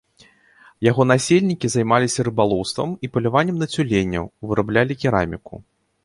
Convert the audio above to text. Яго насельнікі займаліся рыбалоўствам і паляваннем на цюленяў, выраблялі кераміку.